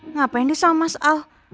ngapain deh sama mas al